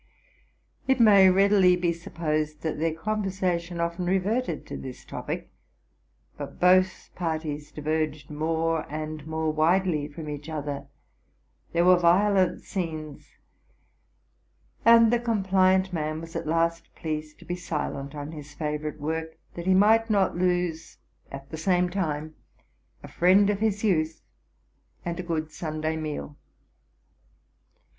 It may readily be supposed that their conversation often reverted to this topic ; but both parties diverged more and more widely from each other, there were violent scenes: and the compliant man was at last pleased to be silent on his favorite work, that he might not lose, at the same time, a friend of his youth, and a good Sunday meal.